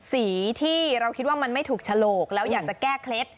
สีที่เราคิดว่ามันไม่ถูกฉลกแล้วอยากจะแก้เคล็ด